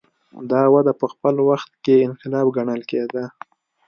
دا وده په خپل وخت کې انقلاب ګڼل کېده.